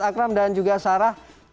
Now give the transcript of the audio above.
akram dan juga sarah